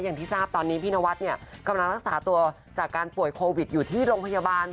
อย่างที่ทราบตอนนี้พี่นวัดเนี่ยกำลังรักษาตัวจากการป่วยโควิดอยู่ที่โรงพยาบาล